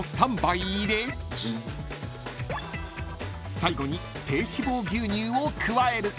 ［最後に低脂肪牛乳を加える］